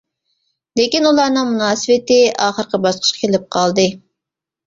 لېكىن ئۇلارنىڭ مۇناسىۋىتى ئاخىرقى باسقۇچقا كېلىپ قالدى.